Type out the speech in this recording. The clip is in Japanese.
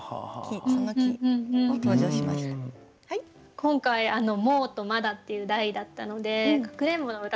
今回「もう」と「まだ」っていう題だったのでかくれんぼの歌